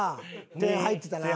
点入ってた。